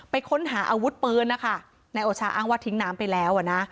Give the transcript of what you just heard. ค้นหาอาวุธปืนนะคะนายโอชาอ้างว่าทิ้งน้ำไปแล้วอ่ะนะ